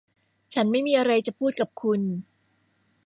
ฉันไม่มีอะไรจะพูดกับคุณ